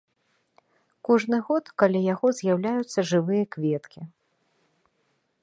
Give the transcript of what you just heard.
Кожны год каля яго з'яўляюцца жывыя кветкі.